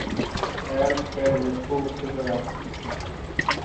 The ram scared the school children off.